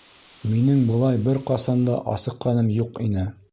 Минең былай бер ҡасан да асыҡҡаным юҡ ине